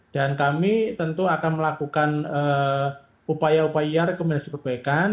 dan kami tentu akan melakukan upaya upaya rekomendasi perbaikan